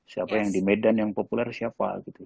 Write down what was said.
siapa yang di medan yang populer siapa gitu